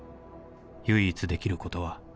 「唯一できることは」